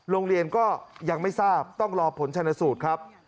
โรงเรียนก็ยังไม่ทราบต้องรอผลชนสูตรครับ